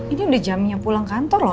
ini udah jamnya pulang kantor loh